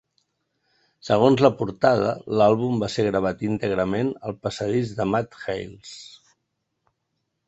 Segons la portada, l'àlbum va ser gravat íntegrament al passadís de Matt Hales.